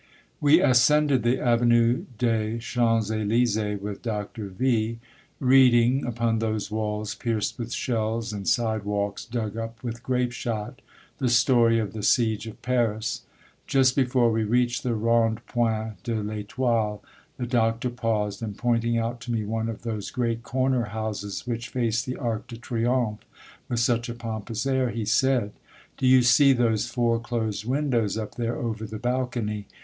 We ascended the Avenue des Champs filysees with Doctor V , reading, upon those walls pierced with shells and sidewalks dug up with grapeshot, the story of the Siege of Paris. Just before we reached the Rondpoint de I'Etoile, the Doctor paused, and pointing out to me one of those great corner houses which face the Arc de Triomphe with such a pompous air, he said, —" Do you see those four closed windows up there over the balcony?